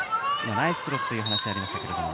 ナイスクロスという話がありましたけれども。